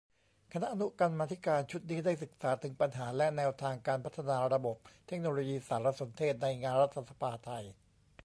คณะอนุกรรมาธิการชุดนี้ ได้ศึกษาถึงปัญหา และ แนวทางการพัฒนาระบบเทคโนโลยีสารสนเทศในงานรัฐสภาไทย